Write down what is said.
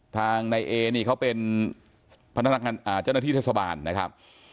ทางนายเอนี่เขาเป็นพนักงานเจ้าหน้าที่เทศบาลนะครับ